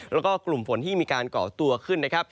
แล้วก็กลุ่มฝนที่มีการก่อตัวขึ้นนะครับ